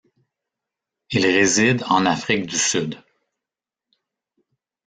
Il réside en Afrique du Sud.